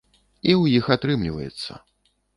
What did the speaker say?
І ў іх атрымліваецца.